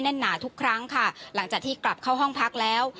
หนาทุกครั้งค่ะหลังจากที่กลับเข้าห้องพักแล้ว